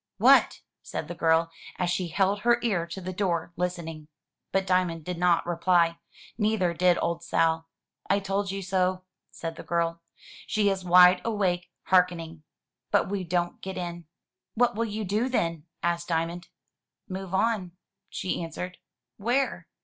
" What?'' said the girl, as she held her ear to the door listening. But Diamond did not reply. Neither did old Sal. "I told you so," said the girl. "She is wide awake hearken ing. But we don't get in." "What will you do, then?" asked Diamond. "Move on," she answered. "Where?"